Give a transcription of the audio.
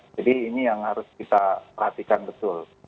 jadi ini yang harus kita perhatikan betul